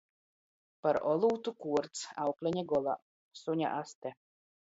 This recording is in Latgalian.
Par olūtu kuorts, aukleņa golā. Suņa aste.